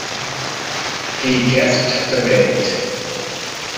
He gasped a bit.